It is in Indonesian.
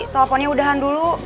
teleponnya udahan dulu